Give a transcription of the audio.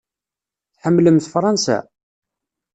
Tḥemmlemt Fṛansa?